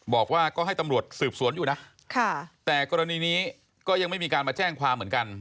บอกว่าก็ให้ตำรวจสืบสวนอยู่นะแต่กรณีนี้ก็ยังไม่มีการมาแจ้งความเหมือนกัน